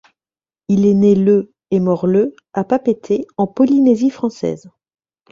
Il est né le et mort le à Papeete en Polynésie française.